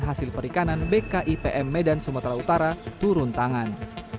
hasil perikanan bki pm medan sumatera utara turun tangan